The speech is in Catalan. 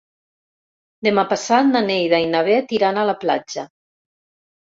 Demà passat na Neida i na Bet iran a la platja.